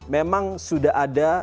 memang sudah ada